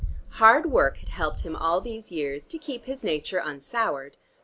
Hard work had helped him all these years to keep his nature unsoured.